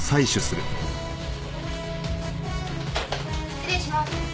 失礼します。